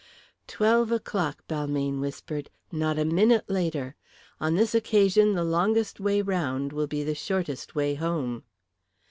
"Twelve o'clock," Balmayne whispered; "not a minute later. On this occasion the longest way round will be the shortest way home."